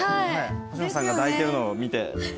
星野さんが抱いてるのを見て。